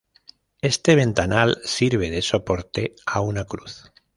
Este ventanal sirve de soporte a una cruz.